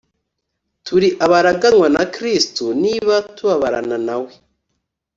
turi abaraganwa na Kristo, niba tubabarana nawe,